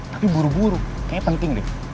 tapi buru buru kayaknya penting nih